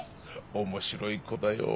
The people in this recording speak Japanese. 面白い子だよ。